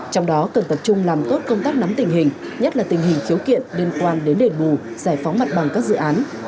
trong đó cần tập trung làm tốt công tác nắm tình hình nhất là tình hình khiếu kiện liên quan đến đền bù giải phóng mặt bằng các dự án